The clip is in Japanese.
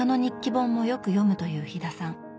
本もよく読むという飛田さん。